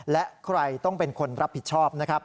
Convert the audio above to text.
และใครต้องเป็นคนรับผิดชอบนะครับ